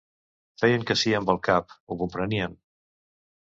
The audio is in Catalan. Feien que sí amb el cap. Ho comprenien.